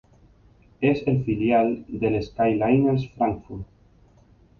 Es el filial del Skyliners Frankfurt.